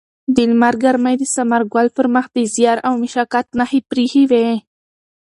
د لمر ګرمۍ د ثمرګل پر مخ د زیار او مشقت نښې پرېښې وې.